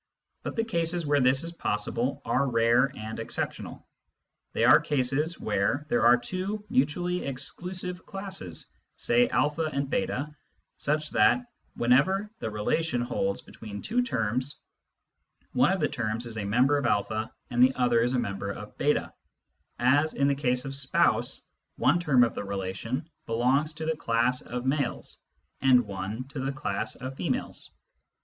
But the cases where this is possible are rare and exceptional : they are cases where there are two mutually exclusive classes, say a and ]8, such that whenever the relation holds between two terms, one of the terms is a member of a and the other is a member of |8 — as, in the case of spouse, one term of the relation belongs to the class of males and one to the class of females.